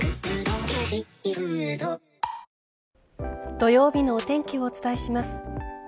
土曜日のお天気をお伝えします。